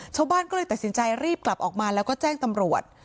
ชาวบ้านก็เลยตัดสินใจรีบกลับออกมาแล้วก็แจ้งตำรวจ